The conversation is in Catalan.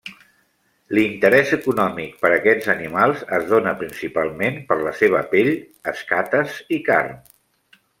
L’interès econòmic per aquests animals es dóna principalment per la seva pell, escates i carn.